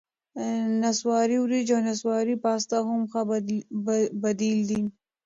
نسواري ورېجې او نسواري پاستا هم ښه بدیل دي.